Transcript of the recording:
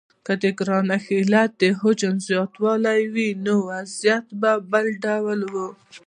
که د ګرانښت علت د حجم زیاتوالی وای نو وضعیت به بل ډول و.